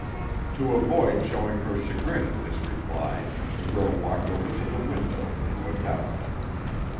To avoid showing her chagrin at this reply, the girl walked over to the window, and looked out.